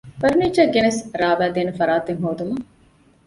ފަރުނީޗަރ ގެނެސް ރާވައިދޭނެ ފަރާތެއް ހޯދުމަށް